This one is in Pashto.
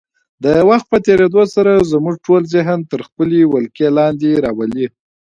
د وخت په تېرېدو سره زموږ ټول ذهن تر خپلې ولکې لاندې راولي.